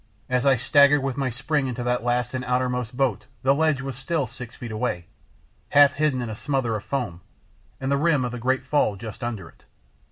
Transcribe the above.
As I staggered with my spring into the last and outermost boat the ledge was still six feet away, half hidden in a smother of foam, and the rim of the great fall just under it.